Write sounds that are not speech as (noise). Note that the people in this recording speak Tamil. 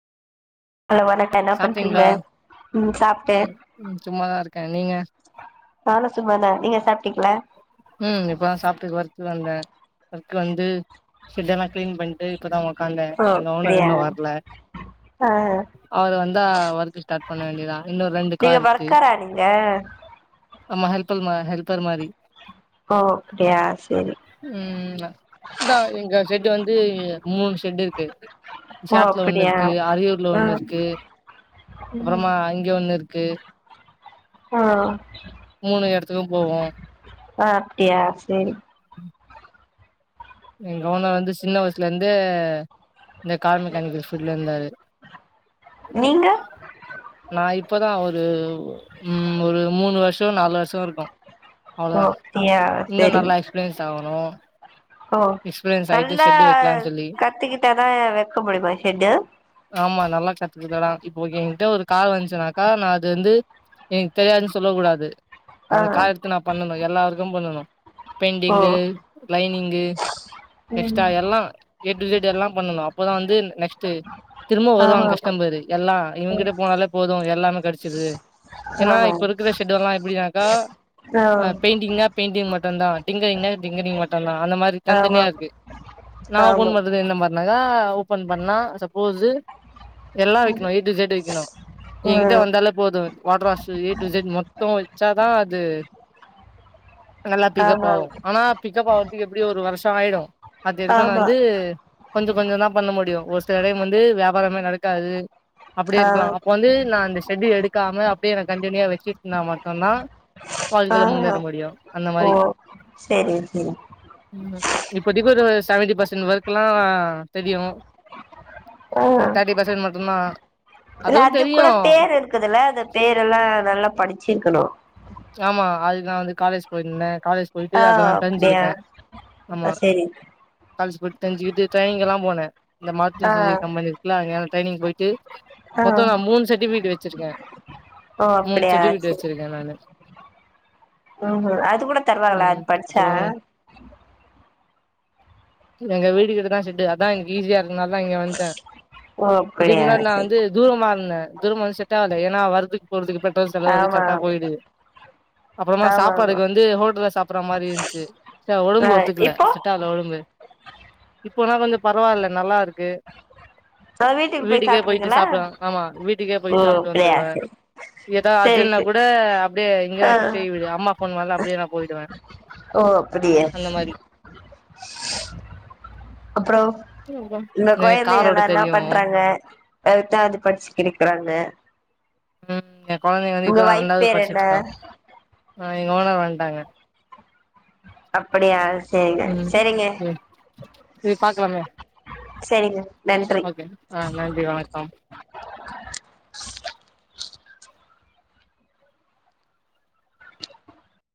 ஹலோ வணக்க என்னா பண்றீங்க சாப்ட்டீங்களா உம் சாப்ட ம் ம் சும்மாதா இருக்கே நீங்க நானு சும்மாதா நீங்க சாப்டீங்ள ம் இப்பதா சாப்ட்டு ஒர்க்கு வந்தே ஒர்க்கு வந்து (unintelligible) கிளீன் பண்ட்டு இப்பதா ஒக்காந்த ஓ எங்க ஒனர் அப்டியா இன்னு வர்ல ஆ அவ்ரு வந்தா ஒர்க்கு ஸ்டாட் பண்ண வேண்டியதா இன்னு ரெண்டு கா நீங்க இருக்கு ஒர்க்கரா நீங்க ஆமா ஹெல்பல் மா ஹெல்பர் மாரி ஓ அப்டியா செரி ம் இந்தா எங்க செட் இங்க வந்து மூணு சேட்டு இருக்கு ஓ விஷாட்ல ஒன்னு அப்டியா இருக்கு அரியூர்ல ஆ ஒன்னு இருக் எ ம் அப்றமா இங்க ஒன்னு இருக்கு ஆ மூணு எடத்துக்கு போவோ ஆஹ் அப்டியா சேரி எங்க ஒனர் வந்து சின்ன வய்சுல இருந்து இந்த கார் மெக்கானிக்க பீல்டுல இருந்தாரு நீங்க நா இப்பதா ஒரு உம் ஒரு மூணு வர்ஷ் து நாலு வர்சோ இருக்கு அவ்ளதா ஓ அப்டியா இன்னு செரி நல்லா எக்ஸ்பீரியன்ஸ் ஆவுனு ஓ எக்ஸ்பிரயன்ஸ் ஆயிட்டு நல்லா செண்டு வைக்கலானு சொல்லி. கத்துக்கிட்டாதான் வைக்க முடியுமா ஷெட்டு ஆமா நல்லா கத்துக்கரா இப்போ என்கிட்ட ஒரு கா வந்துச் சுன்னாக்கா நா அது வந்து எனக்கு தெரியாதுன்னு சொல்ல கூடாது. ஆ அந்த கா எடுத்து நா பண்ணனு எல்லாருக்கு பண்ணணு ஓ பெண்டிங்கு லைனிங்கு. எக்ஸ்டா ம் எல்லாம். ஏ டூ இசட் எல்லாம் பண்ணனு அப்போதா வந்து நெக்ஸ்ட்டு திரும்ப ஆமா வருவாங்க கஸ்டம்பரு எல்லா இங்குட்டு போனாலே போது எல்லாமே கெடச்சுருது ஏன்னா ஆமா இப்ப இருக்குற செட் எப்டினாக்கா ஆமா ஏ ஆ பெயிண்டிங்னா பெயிண்டிங் மட் டும் தா டிங்கரிங்குனா டிங்கரிங்கு மட்டும் தா அந்த மாரி. தனி ஆமா தனியா இருக்கு. நா ஆமா (unintelligible) லா ஓபன் பண்ணா சப்போஸ்ஸு எல்லா வைக்கணு ஏ டு இசட் வைக்கணு எங்கிட்ட ம் வந்தாலே போது water wash A to Z மொத்த வச்சாதா அது. நல்லா பிக்கப் ஆமா ஆவும் ஆனா பிக்கப் ஆகறதுக்கு எப்டி ஒரு வர்ஷ் டாயிடு அது எதுக்குன்னா ஆமா வந்து கொஞ்சொ கொஞ்சொந்தா பண்ண முடியு ஒரு சில டைம் வந்து வியாபாரமே நடக் காது. அப்டி ஆ இருக்கலா அப்ப வந்து நா அந்த ஷெட் எடுக்காம அப்டியே நா கண்டினியூவா வச்சுட்டு இருந்தா மட் சொன்னா. ஆ வாழ்க்கைல முன்னேற முடியு அந்த ஓ மாரி செரி செரி ம்ம இப்போதைக்கு ஒரு செவன்டி பர் ச்சு ஒர்க் எல்லா தெரியு ஆஹ ஒரு தேர்ட்டி பர்சன்ட் மட்டுந்தா இல்ல அதுவு அதுக்கூட தெரியு பேரு இருக்குதுல்ல அது பேரெல்லா நல்லா படிச்சிக்கிணு ஆமா அது தா வந்து காலேஜ் போய்ருந்தே ஆஹ் அப்டியா ஆமா. ஆஹ் சேரி. காலேஜ் போய்ட்டு தெஞ்சிட்டு டிரெய்னிங் எல்லா போன. இந்த ஆ மாத்தூசி கம்பெனி இருக்குல (unintelligible) ட்ரைனிங் போய்ட்டு. ஆ மொத்தோ நா மூணு சர்ட்டிபிகேட் வச்சிருக்கே. ஓ மூணு அப்டியா சர்டிபிகேட் வச்சிருக்கே நானு. உம் அது கூட தருவாங்களா அது ம். படிச்சா. அப்புறம் எங்க வீடுக்கிட்டதா செட்டு அதா எங்க ஈஸியா இருந்தனால தா இங்க வந்துட்டே ஓ இதுக்கு அப்டியா முன்னாடி நா செரி வந்து தூரமா இருந்தே. தூரம இருந்து செட்டாகளா ஏன்னா வருதுக்கு போறதுக்கு பெட் ரோல் செலவு வந்து ஆமா கரக்டா போயிடுது. அப்றோமா ஆமா ஆமா சாப்பாடுக்கு வந்து ஹோட்டல்ல சாப்ற மாரி இருந்ச்சு ச ஆ ஒடம்பு ஒத்துக்கல இப்போ செட்டாவுல ஒடம்பு இப்பனா கொஞ்ச பரவால்ல நல்லா இருக்கு அ வீட்டுக்கு போய் வீட்டுக்கே போய்ட்டு சாப்ட்ருவீங்களா சாப்லா ஆமா வீட்டுக்கே ஓ போய்ட் சாப்ட்டு அப்டியா வந்துருவே செரி ஏதா செரி அர்ஜென்ட்னா செரி கூட அப்டியே இங்கதா ஆ கிட்டேயே வீடு அம்மா ஃபோன் பண்ண அப்டியே நா போய்டுவே ஓ அப்டியா அந்த மாரி அப்பறோ இந்த எனக்கு கார் கொழைந்தங்கல்லா ஓட்ட என்னா தெரியு பண்றாங்க அதத்தா வந்து படிச்சு கிழிக்கிறான்னே உம் க கொழந்தைங்க வந்து இப்பதா ரெண்டாவது பேர் என்ன படிச்சிட்ருக்கா ஆ எங்க ஓனர் வந்ட்டாங்க அப்படியா சரிங்க ம் சரிங்க ம் சரிங்க ஓகேங் ஆ நன்றி வணக்கம்